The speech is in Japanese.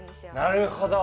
なるほど！